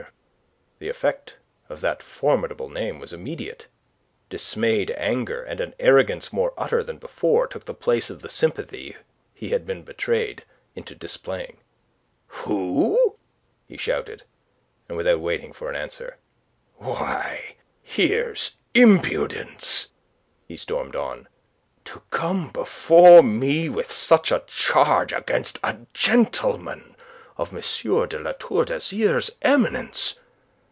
The effect of that formidable name was immediate. Dismayed anger, and an arrogance more utter than before, took the place of the sympathy he had been betrayed into displaying. "Who?" he shouted, and without waiting for an answer, "Why, here's impudence," he stormed on, "to come before me with such a charge against a gentleman of M. de La Tour d'Azyr's eminence!